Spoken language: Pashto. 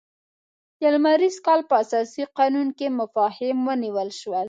د لمریز کال په اساسي قانون کې مفاهیم ونیول شول.